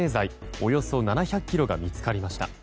およそ７００ｋｇが見つかりました。